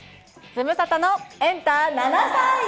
ズムサタのエンタ７３４。